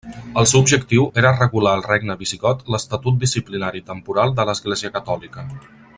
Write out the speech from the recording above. El seu objectiu era regular al regne visigot l'estatut disciplinari i temporal de l'església catòlica.